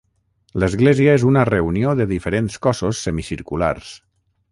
L'església és una reunió de diferents cossos semicirculars.